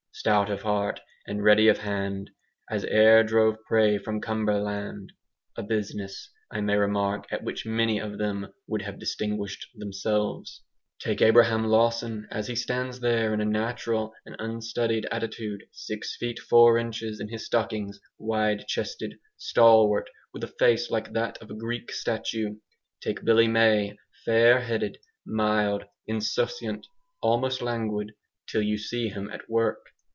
Stout of heart and ready of hand, As e'er drove prey from Cumberland; a business, I may remark, at which many of them would have distinguished themselves. Take Abraham Lawson as he stands there in a natural and unstudied attitude, 6 feet 4 inches in his stockings, wide chested, stalwart, with a face like that of a Greek statue. Take Billy May, fair haired, mild, insouciant, almost languid, till you see him at work.